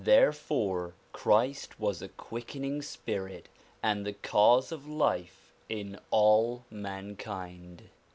Therefore Christ was a quickening spirit, and the cause of life in all mankind.